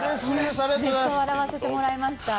笑わせてもらいました。